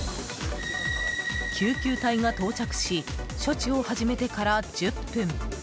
救急隊が到着し処置を始めてから１０分。